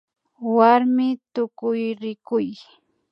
Warmi Tukuyrikuy